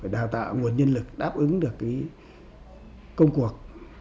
đào tạo nguồn nhân lực đáp ứng được công cuộc